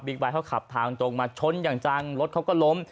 ไบท์เขาขับทางตรงมาชนอย่างจังรถเขาก็ล้ม